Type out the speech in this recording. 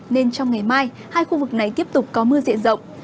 nên trong ngày mai hai khu vực này tiếp tục có mưa diện rộng